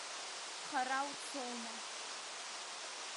Хара уцома?